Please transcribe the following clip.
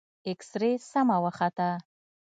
اكسرې سمه وخته.